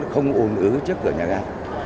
không ồn ứ trước cửa nhà gác